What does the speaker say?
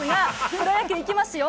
プロ野球いきますよ。